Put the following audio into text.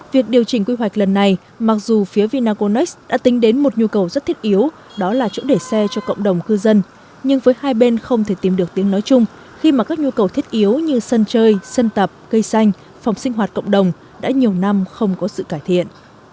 việc điều chỉnh quy hoạch lần này mặc dù phía vinaconex đã tính đến một nhu cầu rất thiết yếu đó là chỗ để xe cho cộng đồng cư dân nhưng với hai bên không thể tìm được tiếng nói chung khi mà các nhu cầu thiết yếu như sân chơi sân tập cây xanh phòng sinh hoạt cộng đồng đã nhiều năm không có sự cải thiện